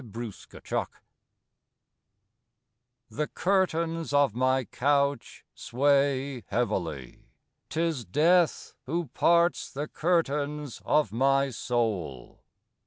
FRAGMENTS I The curtains of my couch sway heavily: 'Tis death, who parts the curtains of my soul.